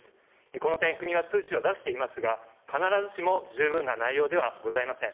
この点、国は通知を出していますが、必ずしも十分な内容ではございません。